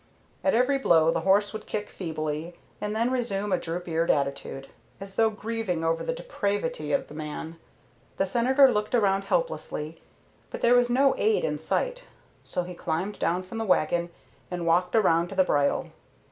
At every blow the horse would kick feebly, and then resume a droop eared attitude, as though grieving over the depravity of man. The Senator looked around helplessly, but there was no aid in sight, so he climbed down from the wagon and walked around to the bridle.